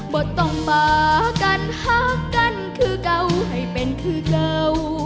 บทต้องมากันฮักกันคือเก่าให้เป็นคือเก่า